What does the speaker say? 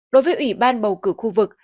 đối với ủy ban bầu cử khu vực